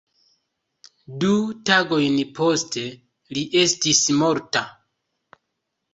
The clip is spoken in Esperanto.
Du tagojn poste, li estis morta.